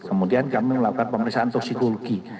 kemudian kami melakukan pemeriksaan toksikologi